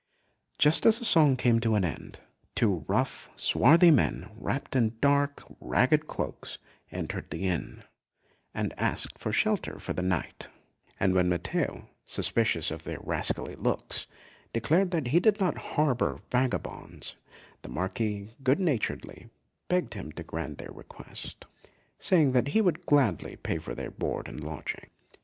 Just as the song came to an end, two rough, swarthy men, wrapped in dark, ragged cloaks, entered the inn, and asked for shelter for the night; and when Matteo, suspicious of their rascally looks, declared that he did not harbour vagabonds, the Marquis good naturedly begged him to grant their request, saying that he would gladly pay for their board and lodging.